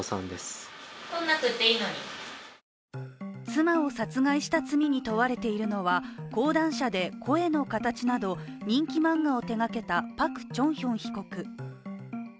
妻を殺害した罪に問われているのは講談社で、「聲の形」など人気漫画を手がけたパク・チョンヒョン被告。